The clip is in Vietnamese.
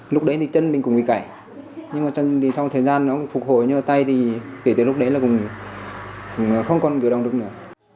lúc đấy thì chân mình cũng bị cải nhưng mà chân thì trong thời gian nó cũng phục hồi nhưng mà tay thì kể từ lúc đấy là cũng không còn cửa đồng được nữa